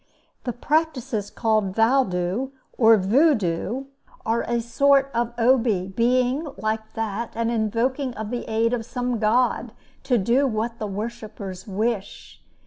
The practices called Vaudoux or Voudoux, are a sort of Obi; being, like that, an invoking of the aid of some god to do what the worshipers wish.